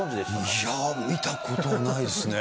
いや、見たことないですね。